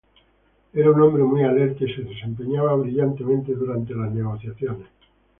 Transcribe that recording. Era un hombre muy alerta y se desempeñaba brillantemente durante las negociaciones.